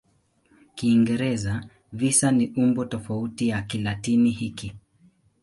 Kiingereza "visa" ni umbo tofauti la Kilatini hiki.